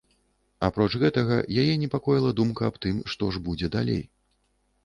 Апроч гэтага, яе непакоіла думка аб тым, што ж будзе далей.